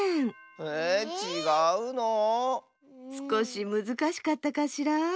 えちがうの⁉すこしむずかしかったかしら。